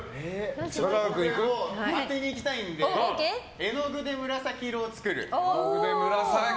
当てに行きたいので絵の具で紫色を作る。